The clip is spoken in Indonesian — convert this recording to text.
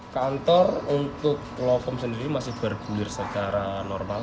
kantor untuk lokom sendiri masih bergulir secara normal